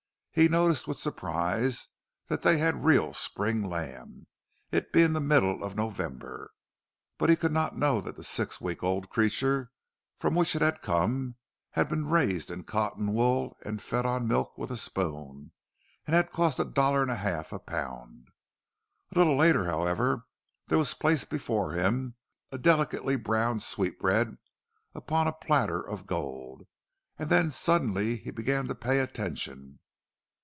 He noticed with surprise that they had real spring lamb—it being the middle of November. But he could not know that the six weeks old creatures from which it had come had been raised in cotton wool and fed on milk with a spoon—and had cost a dollar and a half a pound. A little later, however, there was placed before him a delicately browned sweetbread upon a platter of gold, and then suddenly he began to pay attention.